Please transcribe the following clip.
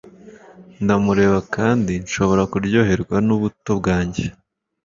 ndamureba kandi nshobora kuryoherwa n'ubuto bwanjye